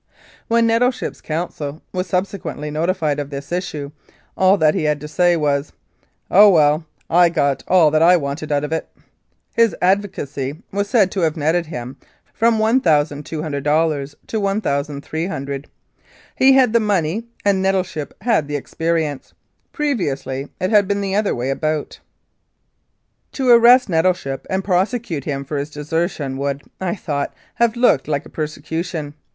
When Nettleship's counsel was subsequently notified of this issue, all that he had to say was, "Oh, well, I got all that I wanted out of it." His advocacy was said to have netted him from $1,200 to $1,300. He had the money and Nettleship had the experience. Previously it had been the other way about. To arrest Nettleship and prosecute him for his deser tion would, I thought, have looked like persecution.